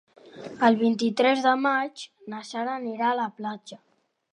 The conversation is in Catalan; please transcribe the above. El vint-i-tres de maig na Sara anirà a la platja.